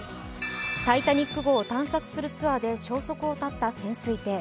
「タイタニック」号を探索するツアーで消息を絶った潜水艇。